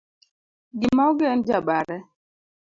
gima ogen jabare